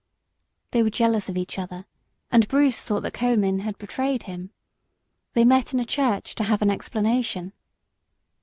They were jealous of each other, and Bruce thought that Comyn had betrayed him. They met in a church to have an explanation.